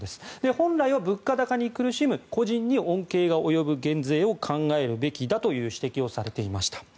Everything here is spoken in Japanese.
本来は物価高に苦しむ個人に恩恵が及ぶ減税を考えるべきだという指摘をされていました。